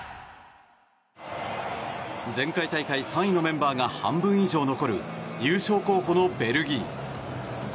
前回大会３位のメンバーが半分以上残る優勝候補ベルギー。